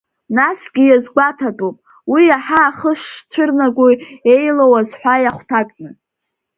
Насгьы иазгәаҭатәуп, уи иаҳа ахы шцәырнаго иеилоу азҳәа иахәҭакны.